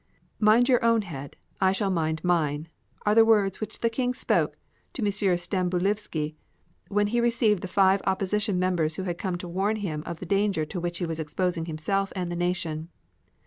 "Mind your own head. I shall mind mine!" are the words which the King spoke to M. Stambulivski when he received the five opposition members who had come to warn him of the danger to which he was exposing himself and the nation.